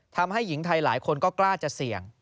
ทำให้หญิงไทยหลายคนก็กล้าจะเสี่ยง